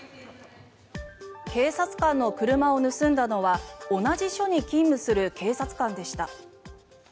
警察官の車を盗んだのは同じ署に勤務する警察官でした。